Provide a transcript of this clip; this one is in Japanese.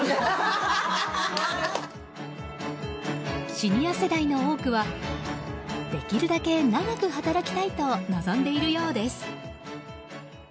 シニア世代の多くはできるだけ長く働きたいと望んでいるようです。